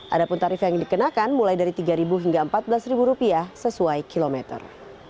ada pun tarif yang dikenakan mulai dari rp tiga hingga rp empat belas sesuai kilometer